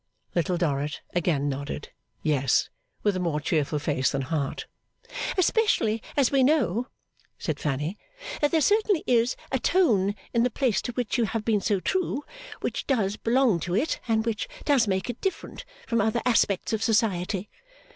Little Dorrit again nodded 'Yes,' with a more cheerful face than heart. 'Especially as we know,' said Fanny, 'that there certainly is a tone in the place to which you have been so true, which does belong to it, and which does make it different from other aspects of Society.